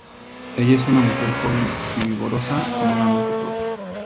Ella es una mujer joven y vigorosa, con una mente propia.